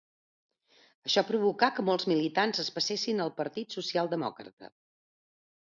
Això provocà que molts militants es passessin al Partit Socialdemòcrata.